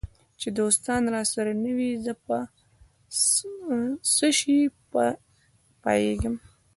چي دوستان راسره نه وي زه په څشي به پایېږم